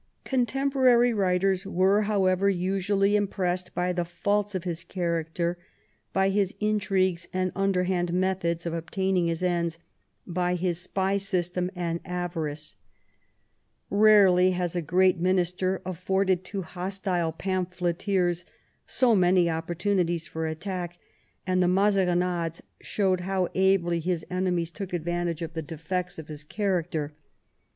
Contemporary writers were, however, usually "j impressed by the faults of his character, by his intrigues /<^.■■.*•■ and underhand methods of obtaining his ends, bj J^i^ spy system and his avarice^ iRarely hasTi great minister afforded to hostile pamphleteers so many opportimities for attack, and the Mazarinades show how ably his enemies took advantage of the defects of his character.